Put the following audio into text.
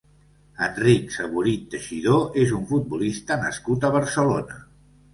Enric Saborit Teixidor és un futbolista nascut a Barcelona.